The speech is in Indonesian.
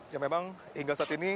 ya memang hingga saat ini